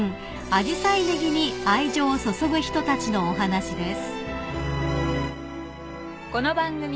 ねぎに愛情を注ぐ人たちのお話です］